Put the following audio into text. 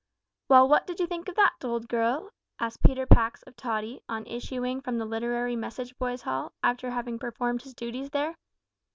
"Well, what did you think of that, old girl?" asked Peter Pax of Tottie, on issuing from the Literary Message Boys' Hall, after having performed his duties there.